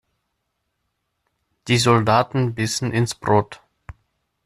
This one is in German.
Die Soldaten bissen ins Brot.